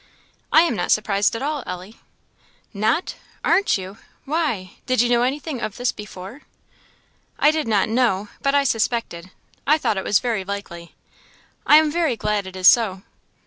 "I am not surprised at all, Ellie." "Not! aren't you? why, did you know anything of this before?" "I did not know, but I suspected. I thought it was very likely. I am very glad it is so."